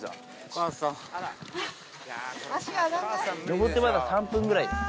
上ってまだ３分ぐらい。